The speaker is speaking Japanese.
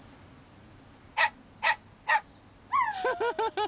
フフフフ！